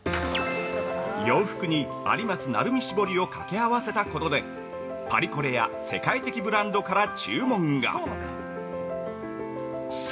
◆洋服に「有松・鳴海絞り」を掛け合わせたことでパリコレや世界的ブランドから注文が殺到。